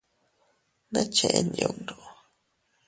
¿Ne chen yundu?